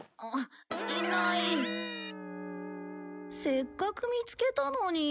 せっかく見つけたのに。